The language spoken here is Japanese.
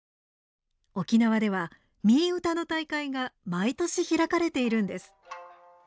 沖縄では新唄の大会が毎年開かれているんです。